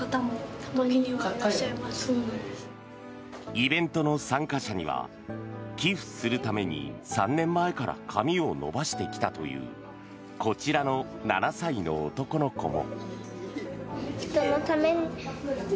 イベントの参加者には寄付するために３年前から髪を伸ばしてきたというこちらの７歳の男の子も。